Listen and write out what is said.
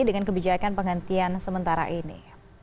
dengan kebijakan penghentian sementara ini